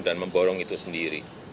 dan memborong itu sendiri